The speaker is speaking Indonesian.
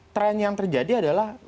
tren yang terjadi adalah